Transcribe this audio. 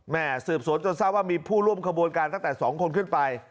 สืบสวนจนทราบว่ามีผู้ร่วมขบวนการตั้งแต่๒คนขึ้นไป